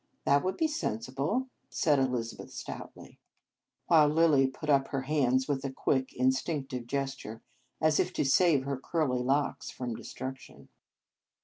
"That would be sensible," said Elizabeth stoutly, while Lilly put up her hands with a quick, instinctive gesture, as if to save her curly locks from destruction.